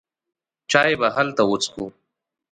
چای به هلته وڅښو.